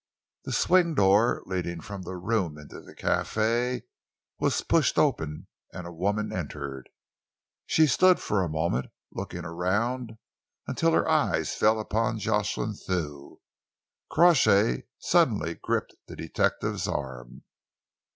The swing door leading from the room into the café was pushed open, and a woman entered. She stood for a moment looking around until her eyes fell upon Jocelyn Thew. Crawshay suddenly gripped the detective's arm.